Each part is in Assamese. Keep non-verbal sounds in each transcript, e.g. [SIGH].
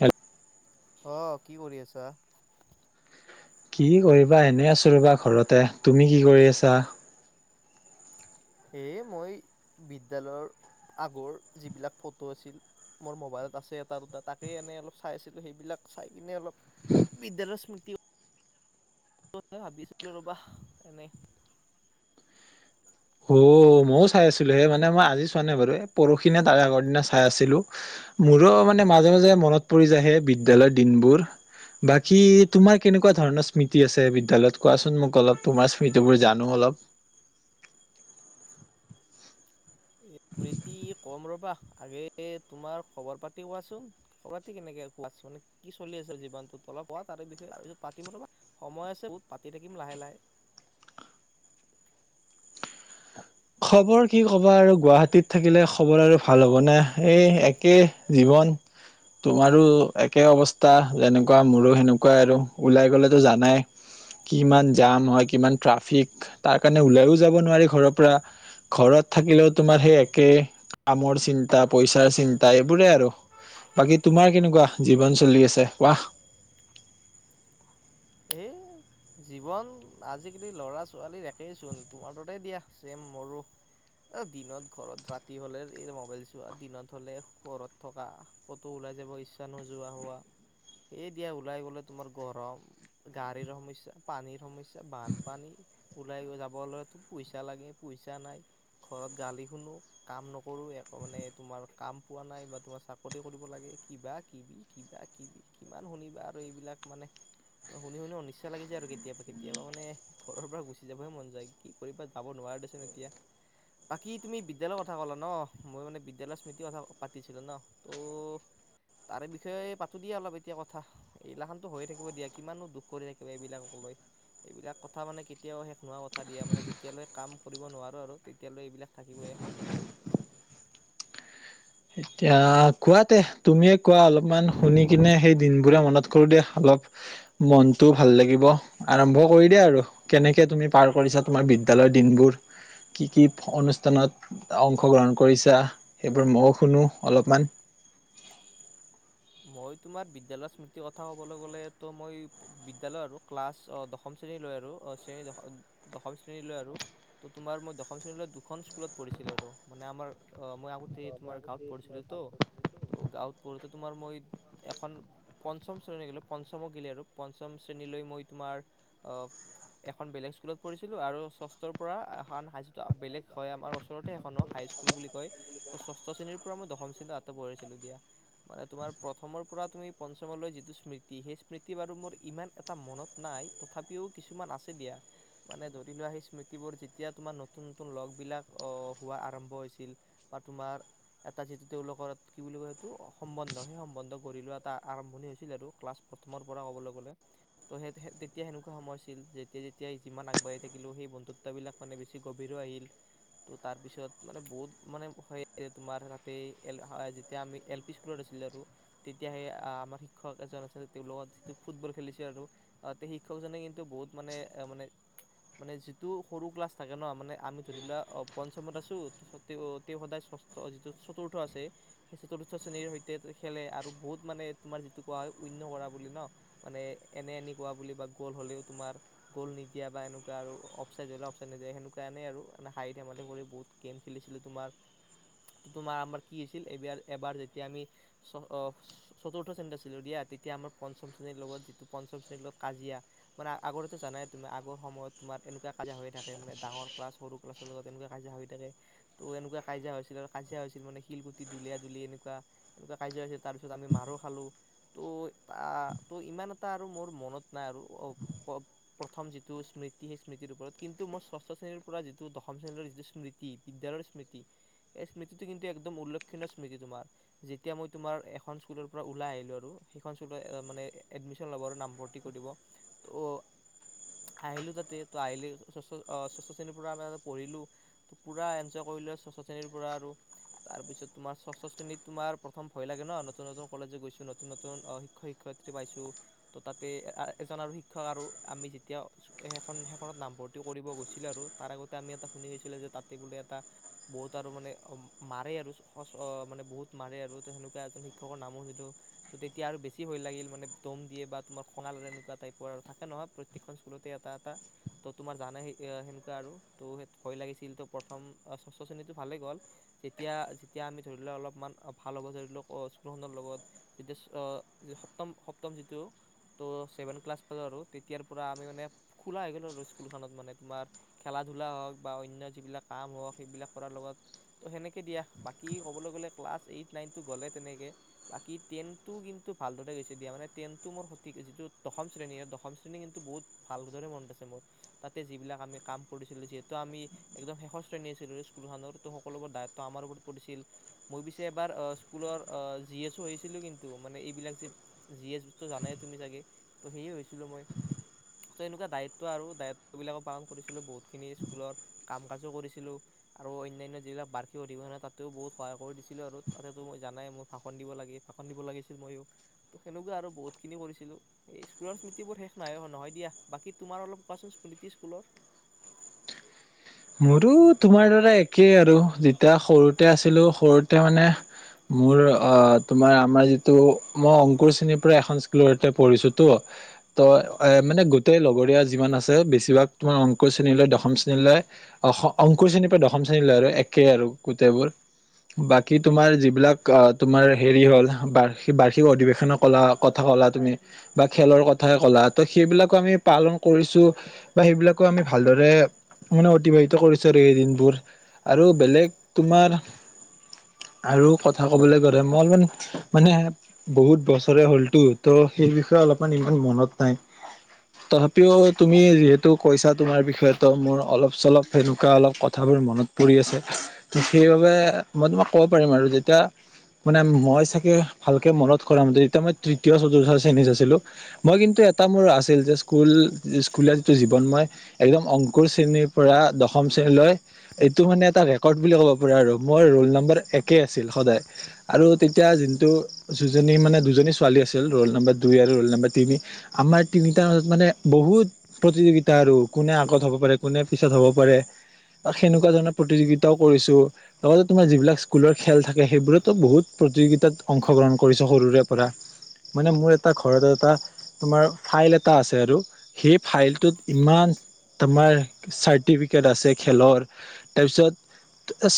হ। আহ কি কৰি আছা। কি কৰিবা এনেই আছো ৰ'বা ঘৰতে তুমি কি কৰি আছা। এ মই বিদ্যয়ালয়ৰ আগৰ যিবিলাক ফটো আছিল মোৰ মোবাইলত আছে এটা দুটা তাকে এনে অলপ চাই আছিলো সেইবিলাক চাই কিনে অলপ বিদ্যালয়ৰ স্মৃতি ভাবিছিলো ৰ'বা এনেই অ মইও চাই আছিলো সেই মানে মই আজি চোৱা নাই বাৰু পৰখিনে তাৰে আগৰ দিনা চাই আছিলো। মোৰো মানে মাজে মাজে মনত পৰি যায়হে বিদ্যালয়ৰ দিনবোৰ বাকী তোমাৰ কেনেকুৱা ধৰণৰ স্মৃতি আছে বিদ্যালয়ত কোৱাচোন মোক অলপ তোমাৰ স্মৃতিবোৰ জানো অলপ স্মৃতি কম ৰবা। আগে তোমাৰ খবৰ পাতি কোৱাচোন খবৰ পাতি কেনেকে ক মানে কি চলি আছে জীৱনটো তলপ কোৱা তাৰে বিষয়ে আৰু পিত পাতিম অ সময় আছে বত পাতি থাকিম লাহে লাহে খবৰ কি কবা আৰু গুৱাহাটীত থাকিলে খবৰ আৰু ভাল হ'বনে এই একে জীৱন তোমাৰো একে অৱস্থা যেনেকুৱা মোৰো সেনেকুৱাই আৰু ওলাই গলেতো জানাই কিমান জাম হয় কিমান ট্ৰাফিক তাৰ কাৰণে ওলাইও যাব নোৱাৰি ঘৰৰ পৰা ঘৰত থাকিলেও তোমাৰ সেই একে কামৰ চিন্তা পইচাৰ চিন্তা এইবোৰেই আৰু বাকী তোমাৰ কেনেকুৱা জীৱন চলি আছে ৱাহ এ জীৱন আজিকালি লৰা ছোৱালীৰ একেইচোন তোমাৰ দতে দিয়া চম মোৰো দিনত ঘৰত ৰাতি হলে এই মবাইল চোৱা দিনত হলে ঘৰত থকা ফটো ওলাই যাব ইচ্ছা নোযোৱা হোৱা সেই দিয়া ওলাই গলে তোমাৰ গৰম গাড়ীৰ সমস্যা পানীৰ সমস্যা বানপানী ওলাই যাবলৈতো পইচা লাগে পইচা নাই ঘৰত গালি শুনো কাম নকৰো একো মানে তোমাৰ কাম পোৱা নাই বা তোমাৰ চাকৰি কৰিব লাগে কিবা কিবি কিবা কিবি কিমান শুনিবা আৰু এইবিলাক মানে শুনি শুনি অনচছা লাগিছে আৰু কেতিয়াবা কেতিয়াবা মানে ঘৰৰ পৰা গুচি যাবহে মন যায় কি কৰিবা যাব নোৱাৰাৰে দেচোন এতিয়া বাকী তুমি বিদ্যালয়ৰ কথা ক'লা ন মই মানে বিদ্যালয়ৰ স্মৃতিৰ কথা পাতিছিলো ন ত' তাৰে বিষয়ে পাতো দিয়া অলপ এতিয়া কথা এইগিলাখনতো হৈয়ে থাকিব দিয়া। কিমানো দুখ কৰি থাকিব এইবিলাকক লৈ এইবিলাক কথা মানে কেতিয়াও শেষ নোহোৱা কথা দিয়া মানে যেতিয়ালৈ কাম কৰিব নোৱাৰো আৰু তেতিয়ালৈ এইবিলাক থাকিবয়ে এতিয়া কোৱাতে তুমি ৱা অলপমান শুনি কিনে সেই দিনবোৰে মনত কৰো দো অলপ মনটোও ভাল লাগিব আৰম্ভ কৰি দে আৰু কেনেকৈ তুমি পাৰ কৰিছা তোমাৰ বিদ্যালয়ৰ দিনবোৰ কি কি অনুষ্ঠানত অংশগ্ৰহণ কৰিছা সেইবোৰ মোক শুনো অলপমান মই তোমাৰ বিদ্যালয়ৰ স্মৃতিৰ কথা ক'বলৈ গ'লেতো মই বিদ্যালয় আৰু ক্লাছ দশম শ্ৰেণী লৈ আৰু শ্ৰেণী দশম শ্ৰেণীলৈ আৰু তো তোমাৰ মই দশম শ্ৰেণীলৈ দুখন স্কুলত পঢ়িছিলোঁ আৰু মানে আমাৰ। অ মই আগতে তোমাৰ গাঁৱত পঢ়িছিলো তো ত গাঁৱত প তোমাৰ মই এখন পঞ্চম শ্ৰেণী গো পঞ্চমক গিলে আৰু পঞ্চম শ্ৰেণীলৈ মই তোমাৰ আহ এখন বেলেগ স্কুলত পঢ়িছিলো আৰু ষষ্ঠৰ পৰা এখন হাই বেলেগ হয় আমাৰ ওচৰতে এখনো হাই স্কুল বুলি কয় ত ষষ্ঠ শ্ৰেণীৰ পৰা মই দশম শ্ৰেণীত আতে পঢ়াইছিলো দিয়া মানে তোমাৰ প্ৰথমৰ পৰা তুমি পঞ্চমলৈ যিটো স্মৃতি সেই স্মৃতি বাৰু মোৰ ইমান এটা মনত নাই তথাপিও কিছুমান আছে দিয়া মানে ধৰি লোৱা সেই স্মৃতিবোৰ যেতিয়া তোমাৰ নতুন নতুন লগ বিলাক অ হোৱা আৰম্ভ হৈছিল বা তোমাৰ এটা যিটো তেওঁলোকৰ কি বুলি কয় সেইটো সম্বন্ধ সেই সম বন্ধ গ় লোৱা এটা আৰম্ভণি হৈছিল আৰু ক্লাছ প্ৰথমৰ পৰা ক'বলৈ গ'লে ত' সেই তেতিয়া সেনেকুৱা সময় আছিল যেতিয়া যেতিয়া যিমান আগবাঢ়ি থাকিলোঁ সেই বন্ধুত্বাবিলাক মানে বেছি গভীৰো আহিল ত' তাৰপিছত মানে বহুত মানে তোমাৰ তাতে এল যেতিয়া আমি এল পি স্কুলত আছিল আৰু তেতিয়া সে আমাৰ শিক্ষক এজন আছে তেওঁ লগত যিটো ফুটবল খেলিছিল আৰু আহ শিক্ষকজনে কিন্তু বহুত মানে মানে মানে যিটো সৰু ক্লাছ থাকে ন মানে আমি ধৰি লোৱা পঞ্চমত আছো তেওঁ সদায় যিটো চতুৰ্থ আছে সেই চতুৰ্থ শ্ৰেণীৰ সৈতে খেলে আৰু বহুত মানে তোমাৰ যিটো কোৱা হয় উইন্ন কৰা বুলি ন মানে এনে এনে কোৱা বুলি বা গ'ল হলেও তুমাৰ গল নিদিয়া বা এনেকুৱা আৰু অফচাইড হলে অফচাইড নিদিয়া সেনেকুৱা এনেই আৰু হাই ধেমালি কৰি বহুত গেম খেলিছিলো তোমাৰ তোমাৰ আমাৰ কি হৈছিলবাৰ এবাৰ যেতিয়া আমি চতুৰ্থ শ্ৰেণীত আছিলো দিয়া তেতিয়া আমাৰ পঞ্চম শ্ৰেণীৰ লগত যিটো পঞ্চম শ্ৰেণীৰ লগত কাজিয়া মানে আগতেো জানাই তুমি আগৰ সময়ত তোমাৰ এনেকুৱা কাজিয়া হৈ থাকে মানে ডাঙৰ ক্লাছ সৰু ক্লাৰ লগতনেুৱা কাজিয়া হৈ থাকে এনেকুৱা কাজিয়া হৈছিল আৰু কাজিয়া হৈছিল মানে শিলগুটি দুলীয়া দুলি এনেকুৱা এনেকুৱা কাজ হৈছিল তাৰপিছত আমি মাৰো খালো ত' ত' ইমান এটা আৰু মোৰ মনত নাই আৰু প্ৰথম যিটো স্মৃতি সেই স্মৃতিৰ ওপৰত কিন্তু মোৰ ষষ্ঠ শ্ৰেণীৰ পৰা যিটো দশম শ্ৰেণীৰ যিটো স্মৃতি বিদ্যয়ালয়ৰ স্মৃতি সেই স্মৃতিটো কিন্তু একদম উল্লেক্ষণীয় স্মৃতি তোমাৰ। যেতিয়া মই তোমাৰ এখন স্কুলৰ পৰা ওলাই আহিলোঁ আৰু সেইখন স্কুলত মানে এডমিশন ল'ব আৰু নামভৰ্তি কৰিব ত' আহিলোঁ তাতে তো আহিলে ষ ষষ্ঠ শ্ৰেণীৰ পৰা তাতে পঢ়িলোঁ তো পূৰা এনজয় কৰিলোঁ ষষ্ঠ শ্ৰেণীৰ পৰা আৰু তাৰপিছত তোমাৰ ষষ্ঠ শ্ৰেণীত তোমাৰ প্ৰথম ভয় লাগে ন নতুন নতুন কলেজে গৈছো নতুন নতুন শিক্ষক শিক্ষয়িত্ৰী পাইছো ত' তাতে এজন আৰু শিক্ষক আৰু আমি যেতিয়া সেইখন সেইখনত নামভৰ্তি কৰিব গৈছিলে আৰু তাৰ আগতে আমি এটা শুনি গৈছিলে যে তাতে বোলে এটা বহুত আৰু মানে মাৰে আৰু সচ মানে বহুত মাৰে আৰু ত সেনেুৱা এজন শিক্ষকৰ নামো শুনিলো ত তেতিয়া আৰু বেছি ভয় লাগিল মানে দম দিয়ে বা তোমাৰ খঙাল এনেকুৱা টাইপৰ আৰু থাকে নহয় প্ৰত্যেকখন স্কুলতে এটা এটা ত তোমাৰ জানে সেনেকুৱা আৰু ত' ভয় লাগিছিল ত' প্ৰথম সচ্ শ্ৰেণীতটো ভালে গ'ল যেতিয়া যেতিয়া আমি ধৰি লোৱা অলপমান ভাল হ'ব ধৰিলও স্কুলখনৰ লগত যেতিয়া সপ্তম সপ্তম যিটো ত' চছেভেন ক্লাছ প আৰু তেতিয়াৰ পৰা আমি মানে খোলা হৈ গ'লো আৰু স্কুলখনত মানে তোমাৰ খেলা ধূলা হওক বা অন্য যিবিলাক কাম হওঁক সেইবিলাক কৰাৰ লগত ত' সেনেকে দিয়া বাকী ক'বলৈ গ'লে ক্লাছ এইট নন গ'লে তেনেকে বাকী টেন কিন্তু ভালদৰে গৈ দিয়া মানে টেনটো মোৰ সঠিক যিটো দশম শ্ৰেণী দম শ্ৰেণী কিু বহুত ভালদ মনত আছে মোৰ তাতে যিবিলাক আমি কাম কৰিছিলো যিহেতু আমি একদম শেষৰ শ্ৰেণী আছিলো স্কুলখনৰ সকলোব দাযিত্ব আমাৰ ওপৰত পৰিছিল। মই পিছে এবাৰ স্কুলৰ জি এছো হৈছিলো কিন্তু মানে এইবিলাক যে জি এছটো জানাই তুমি চাগে ত সেয়ে হৈছিলো মই ত এনেকুৱা দায়িত্ব আৰু দায়িত্ব বিলাকো পালন কৰিছিলো বহুত খিনি স্কুলৰ কাম কাজো কৰিছিলো আৰু অ অন্যান্য যিবিলাক বাৰ্ষিক অধিবহন তাতও বহুত সহায় কৰি দিছিল ছিলো আৰু তাতেতো মই জানাই মই ভাষণ দিব লাগে ভাষণ দিব লাগিছিল ময়ো ত সেনেকুৱা আৰু বহুতখিনি কৰিছিলো এই স্কুলৰ স্মৃতিবোৰ শেষ নাই নহয় দিয়া বাকী তোমাৰ অলপ কোৱাচোন স্মৃতি স্কুলৰ মোৰো তোমাৰ দাৰা একেই আৰু যেতিয়া সৰুতে আছিলো সৰুতে মানে মোৰ তোমাৰ আমাৰ যিটো মই অংকুৰ শ্ৰেণীৰ পৰা এখন স্কুলতে পঢ়িছোতো ত এ মানে গোটেই লগৰীয়া যিমান আছে বেছিভাগ তোমাৰ অংকুৰ শ্ৰেণীলৈ দশম শ্ৰেণীলৈ। অ অংকু শ্ৰেণীৰ পৰা দশম শ্ৰেণীলৈ আৰু একেই আৰু গোটেইবোৰ বাকী তোমাৰ যিবিলাক আহ তোমাৰ হেৰি হল বাৰিক বাৰ্ষিক অধিবেশনৰ কলা কথা কলা তুমি বা খেলৰ কথাই কলা ত সেইবিলাকো আমি পালন কৰিছো বা সেইবিলাকো আমি ভালদৰে মানে অতিবাহিত কৰিছো আৰু এই দিনবোৰ আৰু বেলেগ তোমাৰ আৰু কথা ক'বলৈ গ'লে মই অলপমান মানে বহুত বছৰে হ'লতো ত' সেই বিষয়ে অলপমান ইমান মনত নাই তথাপিও তুমি যিহেতু কৈছা তোমাৰ বিষয় তো মোৰ অলপ চলপ সেনেকুৱা অলপ কথাবোৰ মনত পৰি আছে সেইবাবে মই তোমাক ক'ব পাৰিম আৰু যেতিয়া মানে মই চাগে ভালকে মনত কৰা মতে তেতিয়া মই তৃতীয় চতুৰ্থ শ্ৰেণী আছিলো মই কিন্তু এটা মোৰ আছিল যে স্কুল স্কুলীয়া যিটো জীৱন মই একদম অংকুৰ শ্ৰেণীৰ পৰা দশম শ্ৰেণ লয় এইটো মানে এটা ৰেকৰ্ড বুলি ক'ব পৰা আৰু মোৰ ৰোল নম্বাৰ একে আছিল সদায় আৰু তেতিয়া যোনটো যজনী মানে দুজনী ছোৱালী আছিল ৰোল নম্বাৰ দুই আৰু ৰল নম্বাৰ তিনি আমাৰ তিনিটাৰত মানে বহুত প্ৰতিযোগিতা আৰু কোনে আগত হ'ব পাৰে। কোনে পিছত হ'ব পাৰে বা সেনেকুৱা ধৰণৰ প্ৰতিযোগিতাও কৰিছোঁ লগতে তোমাৰ যিবিলাক স্কুলৰ খেল থাকে সেইবোৰতো বহুত প্ৰতিযোগিতাত অংশগ্ৰহণ কৰিছোঁ সৰুৰে পৰা মানে মোৰ এটা ঘৰত এটা তোমাৰ ফাইল এটা আছে আৰু সেই ফাইলটোত ইমান তোমাৰ চাৰ্টিফিকেট আছে খেলৰ তাৰপিছত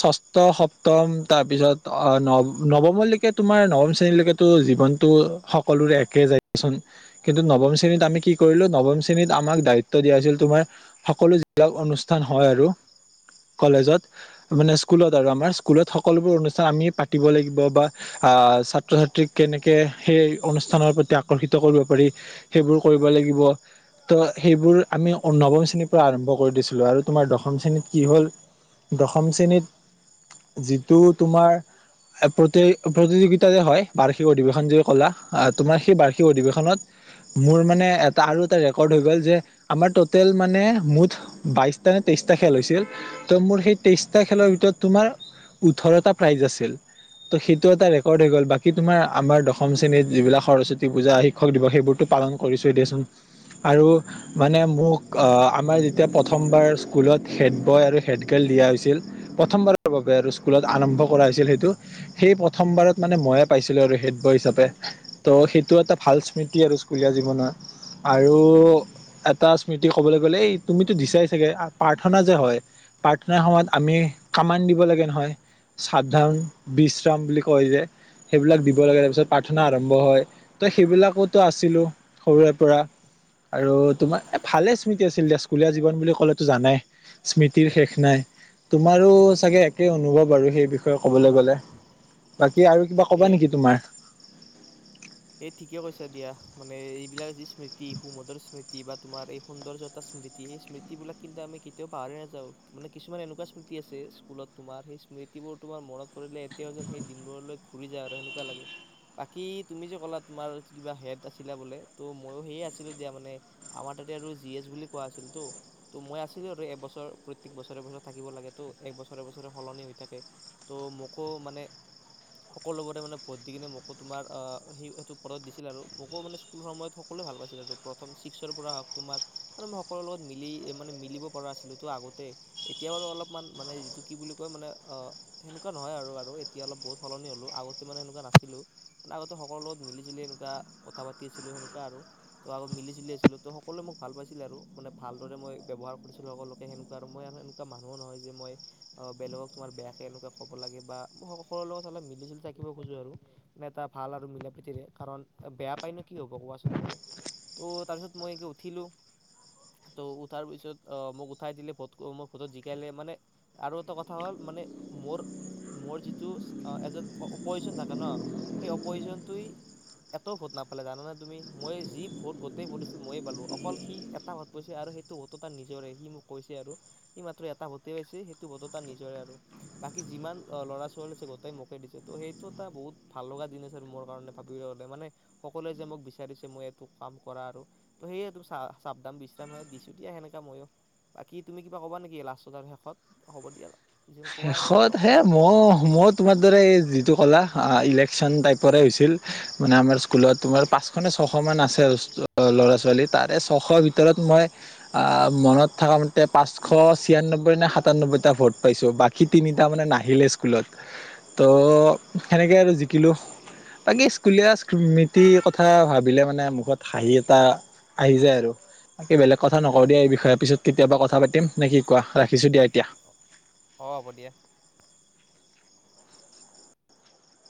ষষ্ঠ সপ্তম তাৰপিছত ন নৱমলৈকে তোমাৰ নৱম শ্ৰেণীলৈকেতো জীৱনতটো সকলোৰে একে যায়চোন কিন্তু নৱম শ্ৰেণীত আমি কি কৰিলো নৱম শ্ৰেণীত আমাক দায়িত্ব দিয়া হৈছিল তোমাৰ সকলো। যবিলাক অনুষ্ঠান হয় আৰু কলেজত মানে স্কুলত আৰু আমাৰ স্কুলত সকলোবোৰ অনুষ্ঠান আমি পাতিব লাগিব। বা ছাত্ৰ ছাত্ৰীক কেনেকৈ সেই অনুষ্ঠানৰ প্ৰতি আকৰ্ষিত কৰিব পাৰি। সেইবোৰ কৰিব লাগিব তো সেইবোৰ আমি নৱম শ্ৰেণীৰ পৰা আৰম্ভ কৰোঁ। কৰি দিছিলোঁ আৰু তোমাৰ দশম শ্ৰেণীত কি হ'ল দশম শ্ৰেণীত যিটো তোমাৰ প্ৰতি প্ৰতিযোগিতা যে হয় বাৰ্ষিক অধিৱেশন যি ক'লা তোমাৰ সেই বাৰ্ষিক অধিৱেশনত মোৰ মানে এটা আৰু এটা ৰেকৰ্ড হৈ গ'ল যে আমাৰ ট'টেল মানে মুঠ [UNINTELLIGIBLE] বাইশটা নে তেইশটা খেল হৈছিল ত' মোৰ সেই তেইশটা খেলৰ ভিতৰত তোমাৰ ওঠৰটা প্ৰাইজ আছিল। ত' সেইটো এটা ৰেকৰ্ড হৈ গ'ল বাকী তোমাৰ আমাৰ দশম শ্ৰেণীত যিবিলাক সৰস্বতী পূজা শিক্ষক দিৱস সেইবোৰতো পালন কৰিছো দিয়াচোন আৰু মানে মোক আমাৰ এতিয়া প্ৰথমবাৰ স্কুলত হেড বয় আৰু হেডগাৰ্ল দিয়া হৈছিল। প্ৰথমবাৰৰ বাবে আৰু স্কুলত আৰম্ভ কৰা হৈছিল সেইটো সেই প্ৰথমবাৰত মানে ময়ে পাইছিলোঁ আৰু হেড বয় হিচাপে তো সেইটো এটা ভাল স্মৃতি আৰু স্কুলীয়া জীৱনৰ আৰু এটা স্মৃতি ক'বলৈ গ'লে এই তুমিতো দিছাই চাগৈ প্ৰাৰ্থনা যে হয় প্ৰাৰ্থনাাৰ সময়ত আমি কামা দিব লাগে নহয় সাৱধান বিশ্ৰাম বুলি কয় যে সেইবিলাক দিব লাগে। তাৰপিছত প্ৰাৰ্থনা আৰম্ভ হয় তো সেইবিলাকোতো আছিলোঁ সৰুৰে পৰা আৰু তোমাৰ ভালে স্মৃতি আছিল। দ সকুলীয়া জীৱন বুলি ক'লেতো জানাই স্মৃতিৰ শেষ নাই তোমাৰো চাগে একে অনুভৱ আৰু সেই বিষয়ে ক গ'লে গ'লে বাকী আৰু কিবা এ ক'বা নেকি তোমাৰ এই ঠিকে কৈছা দিয়া মানে এইবিলাক যি স্মৃতি সুমদৰ স্মৃতি বা তোমাৰ এই সৌন্দৰ্যতা স্মৃতি সেই স্মৃতি বিলাক কিন্তু আমি কেতিয়াও পাহৰি নাযাও মানে কিছুমান এনেকুৱা স্মৃতি আছে স্কুলত তোমাৰ সেই স্মৃতিবোৰ তমাৰ মনত কৰিলে এতিয়াও যেন সেই দিনবোৰলৈ ঘুৰি যায় আৰু সনেকুৱা লাগে বাকী তুমি যে ক'লা তোমাৰ কিবা হেড আছিলা বোলে ত' মইো সেয়ে আছিলো দিয়া মানে আমাৰ তাতে আৰু জি এছ বুলি কোৱা আছিল তো ত' মই আছিলো আৰু এবছৰ প্ৰত্য়েক বছৰে বছৰত থাকিব লাগে তো এক বছৰে বছৰে সলনি হৈ থাকে ত' মোকো মানে সকলোবোৰে মানে ভোট দি কিনে মোকো তোমাৰ অ সি সেইটো পদত দিছিল আৰু মোকো মানে স্কুল সময়ত সকলোৱে ভাল পাইছিল আৰু প্ৰথম ছিক্সৰ পৰা হওক তোমাৰ ম মই সকলোৰে লগত মিলি মানে মিলিব পৰা আছিলো। তো আগতে এতিয়া বাৰু অলপমান মানে যিটো কি বুলি কয় মানে অ সেনেকোৱা নহয় আৰু এতিয়া অলপ বহুত সলনি হ'লো আগতে মানে যেনেকুৱা নাছিলো। মানে আগতে সকলো লগত মিলি জুলি এনেকুৱা কথা পাতি আছিলো। সেনেকুৱা আৰু ত' আগত মিলি জুলি আছিলো ত' সকলোৱে মোক ভাল পাইছিলে আৰু মানে ভালদৰে মই ব্যৱহাৰ কৰিছিলো। সকলোকে সেনেকুৱা আৰু মই আৰু সনেকুৱা মানুহো নহয়। যে মই বেলেগক তোমাৰ বেয়াকে এনেকুৱা ক'ব লাগে ম সকলো লগত অলপ মিলি জুলি থাকিব খোজো আৰু মানে এটা ভাল আৰু মিলা প্ৰীতিৰে কাৰণ বেয়া পায়নো কি হ'ব ক'বাচোন তুমি ত' তাৰপিছত মই এক উঠিলো ত' উঠাৰ পিছত মোক উঠাই দিলে ভোট মোক ভোটত জিকাইে মানে আৰু এটা কথা হ'ল মানে মোৰ মোৰ যিটো এ অপজিচন থাকে ন সেই অপয়োজনটে এটাও ভোট নাপালে জানে তুমি মই যি ভোট গোটেই ভট দিছিল ময়ে পালোঁ অকল সি এটা ভোট পাইছে আৰু সেইটো ভোটো তাৰ নিজৰে সি মোক কৈছে আৰু সি মাত্ৰ এটা ভোটই পাইছে সেইটো ভোটো তাৰ নিজৰে আৰু বাকী যিমান ল'ৰা ছোৱালী আছে গোটেই মোকে দিছে ত' সেইটো এটা বহুত ভাল লগা দিন আছে আৰু মোৰ কাৰণে ভাবি হ'লে মানে সকলোৱে যে মোক বিচাৰিছে মই এইটো কাম কৰা আৰু তো সেই চাহ চাব দাম বিশ্ৰামে দিছোঁ দিয়া সেনেকা ময়ো বাকী তুমি কিবা ক'বা নেকি লাষ্টত আৰু শেষত হ'ব দিয়া যি কোৱা কোৱা শেষত অলপ হে মই মই তোমাৰ দৰে এই যিটো ক'লা ইলেকশ্যন টাইপৰে হৈছিল মানে আমাৰ স্কুলত তোমাৰ পাঁচশ নে ছশমান আছে ল'ৰা ছোৱালী তাৰে ছশ ভিতৰত মই মনত থকা মতে পাঁচশ ছিয়ান্নব্বৈ নে সাতান্নব্বৈটা ভোট পাইছোঁ বাকী [UNINTELLIGIBLE] সিতিনিটা মানে নাহিলে স্কুলত ত সেনেকৈ আৰু জিকিলোঁ বাকী স্কুলীয়া স্মৃতিৰ কথা ভাবিলে মানে মুখত হাঁহি এটা আহি যায় আৰু বাকী বেলেগ কথা নকওঁ দিয়া এই বিষয়ে পিছত কেতিয়াবা কথা পাতিম নে কি কোৱা ৰাখিছোঁ দিয়া এতিয়া [UNINTELLIGIBLE] অ হ'ব দিয়া